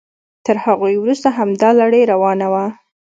تر هغوی وروسته همدا لړۍ روانه وه.